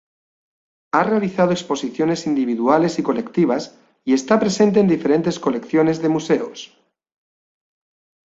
Ha realizado exposiciones individuales y colectivas y está presente en diferentes colecciones de Museos.